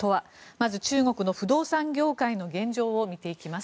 まず中国の不動産業界の現状を見ていきます。